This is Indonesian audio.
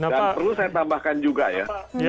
dan perlu saya tambahkan juga ya